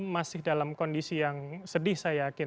masih dalam kondisi yang sedih saya yakin